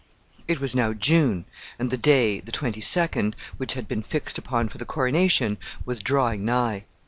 It was now June, and the day, the twenty second, which had been fixed upon for the coronation, was drawing nigh.